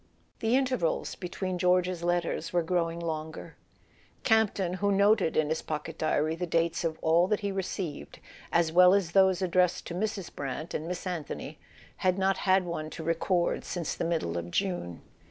The intervals between George's letters were grow¬ ing longer. Campton, who noted in his pocket diary the dates of all that he received, as well as those ad¬ dressed to Mrs. Brant and Miss Anthony, had not had one to record since the middle of June.